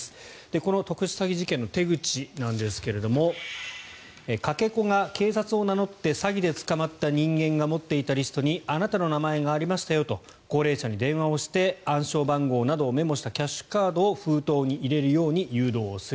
この特殊詐欺事件の手口ですがかけ子が警察を名乗って詐欺で捕まった人間が持っていたリストにあなたの名前がありましたよと高齢者に電話をして暗証番号などをメモしたキャッシュカードを封筒に入れるように誘導をする。